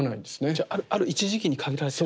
じゃあある一時期に限られてる。